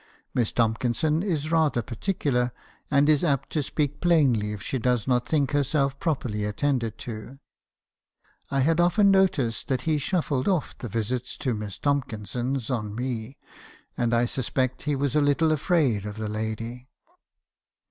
Miss Tomkin son is rather particular, and is apt to speak plainly if she does not think herself properly attended to.' "I had often noticed that he shuffled off the visits to Miss Tomkinson's on me , and I suspect he was a little afraid of the lady.